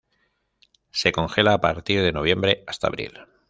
Se congela a partir de noviembre hasta abril.